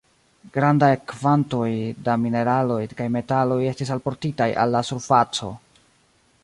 Granda kvantoj da mineraloj kaj metaloj estis alportitaj al la surfaco.